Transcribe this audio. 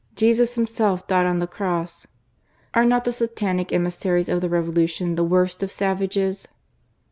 Jesus Himself died on the Cross !" Are not the satanic emissaries of the Revolution the worst of savages